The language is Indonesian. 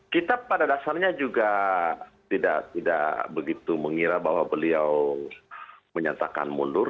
kita pada dasarnya juga tidak begitu mengira bahwa beliau menyatakan mundur